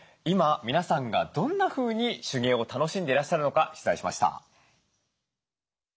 今皆さんがどんなふうに手芸を楽しんでいらっしゃるのか取材しました。